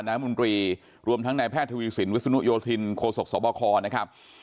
น้ำมนตรีรวมทั้งนายแพทย์ทวีสินวิศนุโยธินโคศกสบคนะครับ